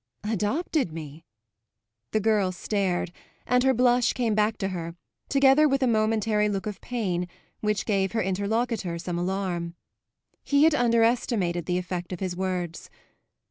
"Adopted me?" The girl stared, and her blush came back to her, together with a momentary look of pain which gave her interlocutor some alarm. He had underestimated the effect of his words.